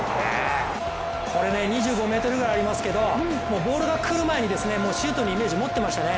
これね、２５ｍぐらいありますけどもうボールが来る前にシュートのイメージを持っていましたね。